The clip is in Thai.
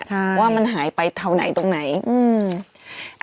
ใช่ว่ามันหายไปแถวไหนตรงไหนอืม